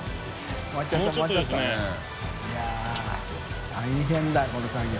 い笋大変だこの作業。